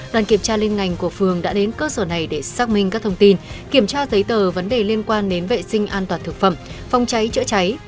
đoàn kiểm tra liên ngành của phường đã đến cơ sở này để xác minh các thông tin kiểm tra giấy tờ vấn đề liên quan đến vệ sinh an toàn thực phẩm phòng cháy chữa cháy